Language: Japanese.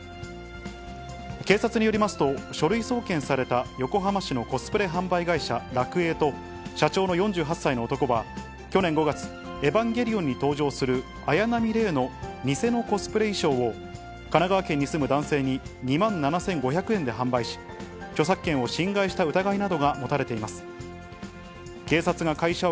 警察によりますと、書類送検された横浜市のコスプレ販売会社、楽栄と、社長の４８歳の男は、去年５月、ヱヴァンゲリヲンに登場する綾波レイの偽のコスプレ衣装を、神奈川県に住む男性に２万７５００円で販売し、著作権を侵害した疑いなどが持たれています。